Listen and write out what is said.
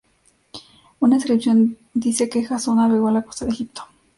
Una inscripción dice que Jasón navegó a la costa de Egipto.